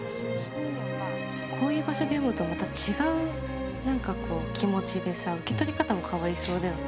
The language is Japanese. こういう場所で読むとまた違う何かこう気持ちでさ受け取り方も変わりそうだよね。